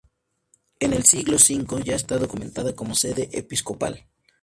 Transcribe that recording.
En el siglo V ya está documentada como sede episcopal.